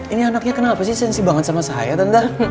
ini anaknya kenapa sih sensi banget sama saya tante